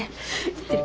行ってる。